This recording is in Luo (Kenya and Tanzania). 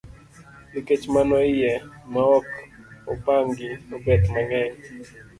Nikech mano iye ma ok opangi obet mang'eny.